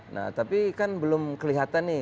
nah tapi kan belum kelihatan nih